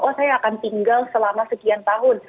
oh saya akan tinggal selama sekian tahun